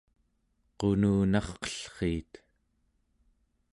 qununarqellriit